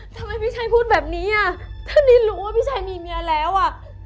ทำไมพี่ชัยพูดแบบนี้อ่ะถ้านิดรู้ว่าพี่ชัยมีเมียแล้วอ่ะ